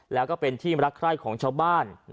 แล้วก็เป็นที่รักใคร่ของชาวบ้าน